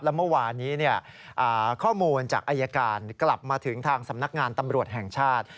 และเมื่อวานี้ข้อมูลจากอายการกลับมาถึงทางสำนักงานตำรวจแห่งชาติ